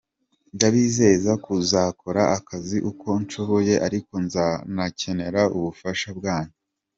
Ndabizeza kuzakora akazi uko nshoboye ariko nzanakenera ubufasha bwanyu.